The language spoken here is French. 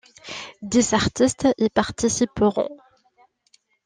Dix artistes y participeront.